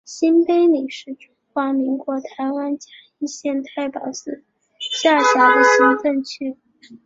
新埤里是中华民国台湾嘉义县太保市辖下的行政区。